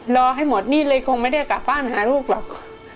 รอให้หมดหนี้เลยคงไม่ได้กลับบ้านหาลูกหรอก